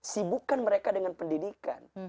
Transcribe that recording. sibukkan mereka dengan pendidikan